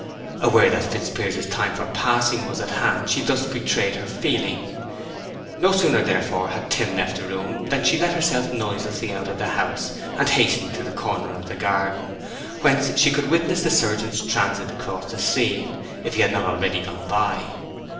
Aware that Fitzpiers's time for passing was at hand she thus betrayed her feeling. No sooner, therefore, had Tim left the room than she let herself noiselessly out of the house, and hastened to the corner of the garden, whence she could witness the surgeon's transit across the scene—if he had not already gone by.